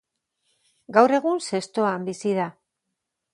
Gaur egun Zestoan bizi da.